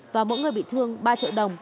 và mỗi người bị thương ba triệu đồng